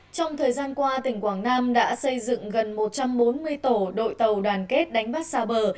trong thời gian qua tỉnh quảng nam đã xây dựng gần một trăm bốn mươi tổ đội tàu đoàn kết đánh bắt xa bờ